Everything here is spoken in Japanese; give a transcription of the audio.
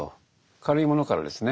軽いものからですね